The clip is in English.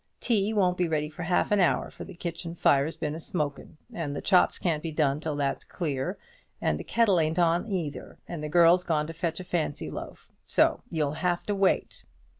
Tea won't be ready for half an hour; for the kitchen fire's been smokin', and the chops can't be done till that's clear; and the kettle ain't on either; and the girl's gone to fetch a fancy loaf, so you'll have to wait."